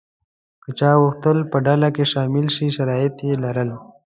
که چا غوښتل په ډله کې شامل شي شرایط یې لرل.